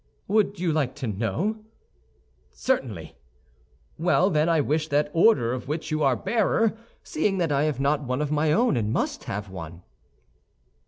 "Would you like to know?" "Certainly." "Well, then, I wish that order of which you are bearer, seeing that I have not one of my own and must have one."